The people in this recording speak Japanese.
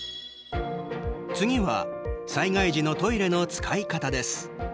次は災害時のトイレの使い方です。